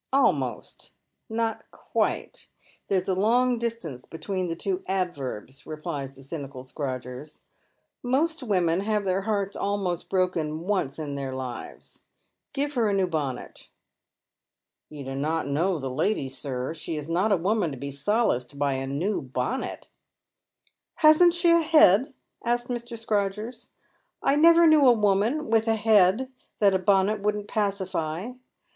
"Almost, not quite. There's a long distance between the two adverbs," replies the cynical Scrodgers. " Most women have their hearts almost broken once in their Uves. Give her a new bonnet." " You do not know the lady, sir. She is not a woman to bo solaced by a new bonnet." " Hasn't she a head ?" asks Mr. Scrodgers. "I never knew a woman, with a head, that a bonnet wouldn't pacify.